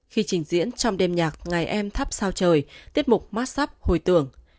khi trình diễn trong đêm nhạc ngày em thắp sao trời tiết mục mát sắp hồi tường